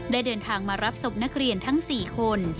เดินทางมารับศพนักเรียนทั้ง๔คน